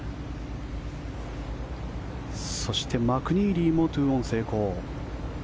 そしてマクニーリーも２オン成功。